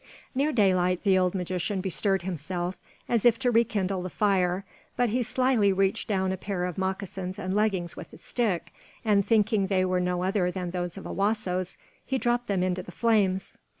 Near daylight, the old magician bestirred himself, as if to rekindle the fire; but he slyly reached down a pair of moccasins and leggings with a stick, and thinking they were no other than those of Owasso's, he dropped them into the flames.